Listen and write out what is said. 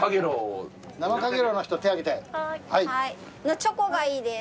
チョコがいいです。